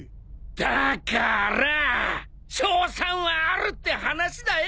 だからぁ勝算はあるって話だよ。